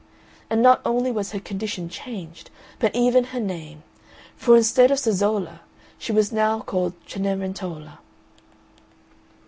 And not only was her condition changed, but even her name, for, instead of Zezolla, she was now called Cenerentola.